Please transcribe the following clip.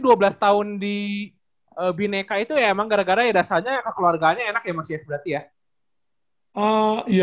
jadi kenapa sebelas tahun di bhinneka itu emang gara gara rasanya keluarganya enak ya mas ya berarti ya